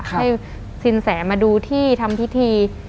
ให้สินแสมาดูที่ทำพิธี